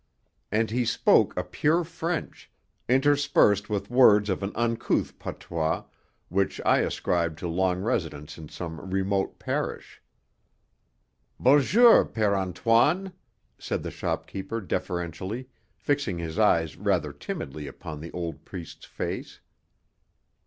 And he spoke a pure French, interspersed with words of an uncouth patois, which I ascribed to long residence in some remote parish. "Bo'jour, Père Antoine," said the shopkeeper deferentially, fixing his eyes rather timidly upon the old priest's face.